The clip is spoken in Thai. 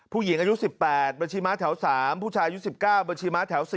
ผู้หญิงอายุ๑๘บัญชีม้าแถว๓ผู้ชายอายุ๑๙บัญชีม้าแถว๔